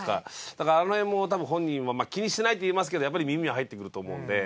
だからあの辺も多分本人は気にしてないって言いますけどやっぱり耳には入ってくると思うんで。